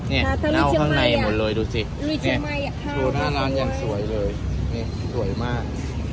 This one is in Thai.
นี่เน่าข้างในหมดเลยดูสิโชว์หน้าร้านอย่างสวยเลยนี่สวยมาก